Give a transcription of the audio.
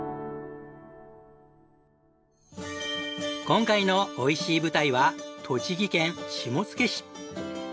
今回のおいしい舞台は栃木県下野市。